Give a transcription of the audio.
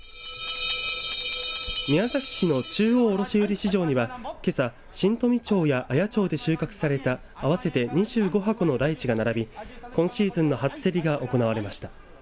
宮崎市の中央卸売市場にはけさ新富町や綾町で収穫された合わせて２５箱のライチが並び今シーズンの初競りが行われました。